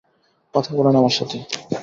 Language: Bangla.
কথা বলেন আমার সাথে।